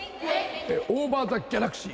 オーバー・ザ・ギャラクシー。